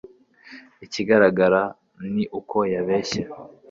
ikigaragara ni uko yabeshye